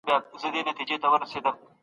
بايد له افراط څخه ډډه وسي.